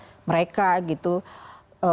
radikalisme ini persoalan yang serius